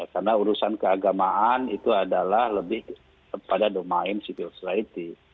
karena urusan keagamaan itu adalah lebih pada domain civil society